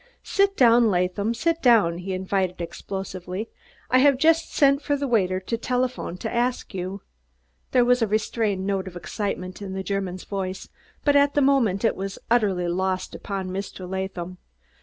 "Sid down, Laadham, sid down," he invited explosively. "I haf yust send der vaiter to der delephone to ask " There was a restrained note of excitement in the German's voice, but at the moment it was utterly lost upon Mr. Latham.